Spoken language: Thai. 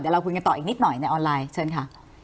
เราคุยกันต่ออีกนิดหน่อยในออนไลน์เชิญค่ะ